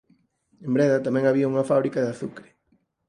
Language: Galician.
En Breda tamén había unha fábrica de azucre.